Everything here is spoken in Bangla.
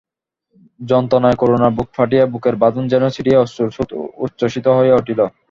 যন্ত্রণায় করুণার বুক ফাটিয়া, বুকের বাঁধন যেন ছিড়িয়া অশ্রুর স্রোত উচ্ছ্বসিত হইয়া উঠিল।